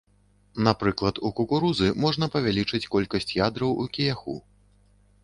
Напрыклад, у кукурузы можна павялічыць колькасць ядраў у кіяху.